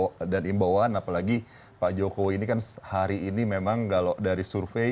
bukan kebawaan apalagi pak jokowi ini kan hari ini memang dari survei